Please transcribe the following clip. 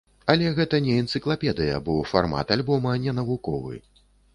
Але гэта не энцыклапедыя, бо фармат альбома не навуковы.